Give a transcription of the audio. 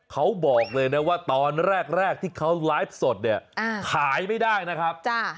เขาบอกเลยนะว่าตอนแรกที่เขาไลฟ์สดเนี่ยขายไม่ได้นะครับ